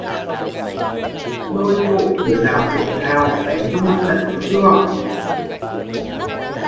Lôi cổ đứa nào hỗn hào đánh một trận cho chừa